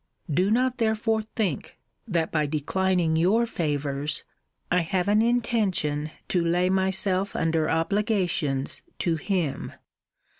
Do not therefore think, that by declining your favours, I have an intention to lay myself under obligations to him.